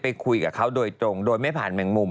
ในรูปนี้มีคุณปองไหม